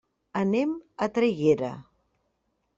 Anem a Traiguera.